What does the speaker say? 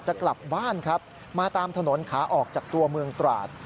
จะกลับบ้านครับมาตามถนนขาออกจากตัวเมืองตราด